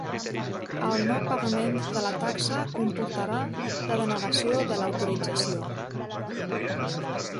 El no pagament de la taxa comportarà la denegació de l'autorització.